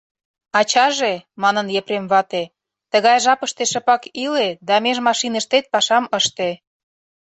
— Ачаже, — манын Епрем вате, — тыгай жапыште шыпак иле да меж машиныштет пашам ыште.